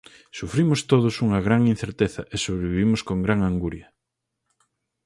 Sufrimos todos unha gran incerteza e sobrevivimos con gran anguria.